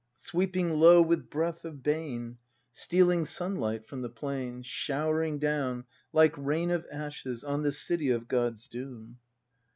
Sweeping low with breath of bane. Stealing sunlight from the plain. Showering down like rain of ashes On the city of God's doom.